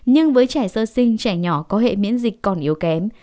nhưng với trẻ sơ sinh trẻ nhỏ có hệ miễn dịch còn yếu kém